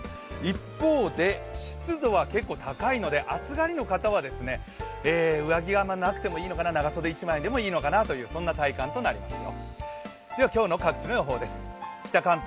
一方で湿度は結構高いので暑がりの方は上着はなくてもいいのかな、長袖１枚でもいいのかなというそんな体感となりますよ。